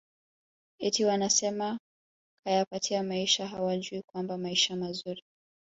eti wanasema kayapatia maisha hawajui kwamba maisha mazuri